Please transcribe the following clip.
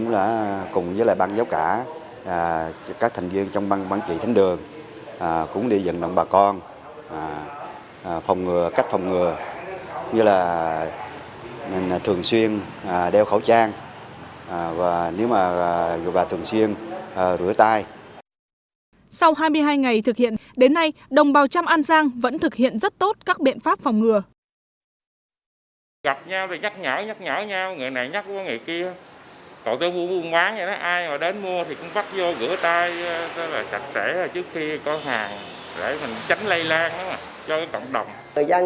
sau hai mươi hai ngày thực hiện đến nay đồng bào trăm an giang vẫn thực hiện rất tốt các biện pháp phòng ngừa